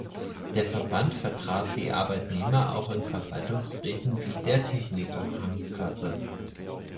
Der Verband vertrat die Arbeitnehmer auch in Verwaltungsräten wie der Techniker Krankenkasse.